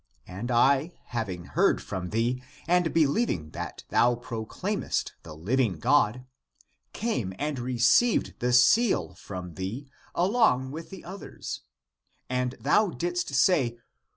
And I having heard from thee, and believing that thou proclaimest the living God came and received the seal from thee along with the others. And thou didst say.